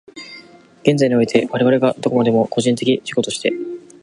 現在において、我々がどこまでも個人的自己として、